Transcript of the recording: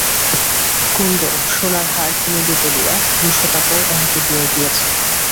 কুন্দ সোনার হার কিনিবে বলিয়া দুশো টাকাও তাহাকে দিয়া গিয়াছে।